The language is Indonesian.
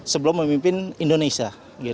sebelum memimpin indonesia